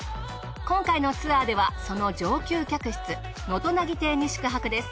今回のツアーではその上級客室能登渚亭に宿泊です。